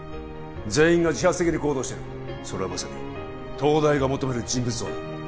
全員が自発的に行動してるそれはまさに東大が求める人物像だ